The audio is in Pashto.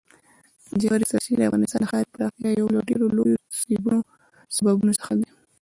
ژورې سرچینې د افغانستان د ښاري پراختیا یو له ډېرو لویو سببونو څخه ده.